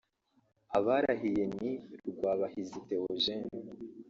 Abarahiye ni Rwabahizi Théogène